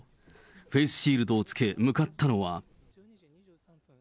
フェイスシールドをつけ向かったのは。